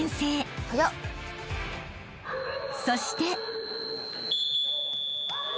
［そして］